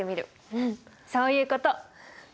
うんそういうこと。